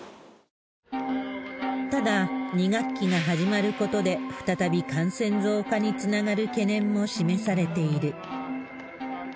ただ、２学期が始まることで、再び感染増加につながる懸念も示されている。